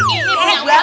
ini punya uang